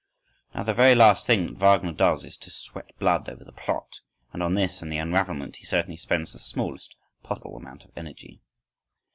Now the very last thing that Wagner does is to sweat blood over the plot; and on this and the unravelment he certainly spends the smallest possible amount of energy.